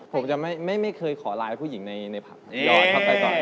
ผมจะไม่เคยขอไลน์คู่หญิงในผัก